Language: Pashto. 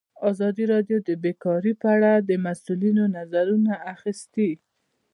ازادي راډیو د بیکاري په اړه د مسؤلینو نظرونه اخیستي.